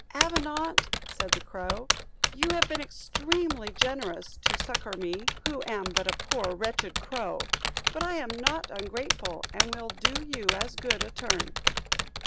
"Avenant," said the crow, "you have been extremely generous to succour me, who am but a poor wretched crow; but I am not ungrateful and will do you as good a turn."